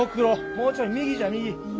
もうちょい右じゃ右！